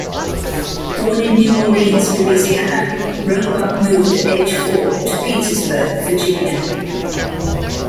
Born in New Orleans, Louisiana, Roebuck moved at age four to Petersburg, Virginia.